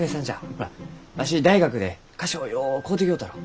ほらわし大学で菓子をよう買うてきよったろう？